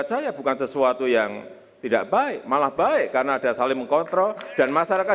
saya bukan sesuatu yang tidak baik malah baik karena ada saling mengkontrol dan masyarakat